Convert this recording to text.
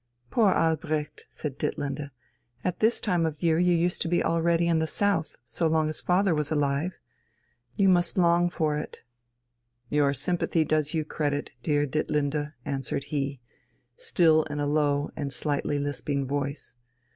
"Poor Albrecht," said Ditlinde, "at this time of year you used to be already in the South, so long as father was alive. You must long for it." "Your sympathy does you credit, dear Ditlinde," answered he, still in a low and slightly lisping voice.